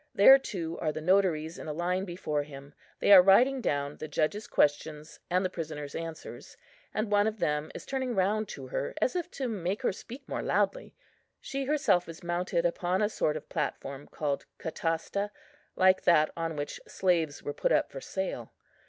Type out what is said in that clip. There, too, are the notaries in a line below him; they are writing down the judge's questions and the prisoner's answers: and one of them is turning round to her, as if to make her speak more loudly. She herself is mounted upon a sort of platform, called catasta, like that on which slaves were put up for sale.